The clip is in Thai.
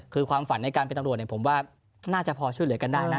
คือความฝันในการเป็นตำรวจผมว่าน่าจะพอช่วยเหลือกันได้นะ